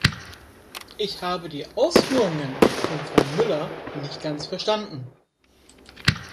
Ich habe die Ausführungen von Frau Müller nicht ganz verstanden.